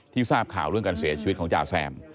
ทราบข่าวเรื่องการเสียชีวิตของจ่าแซม